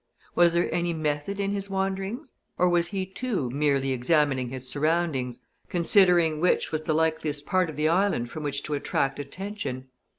Was there any method in his wanderings? Or was he, too, merely examining his surroundings considering which was the likeliest part of the island from which to attract attention?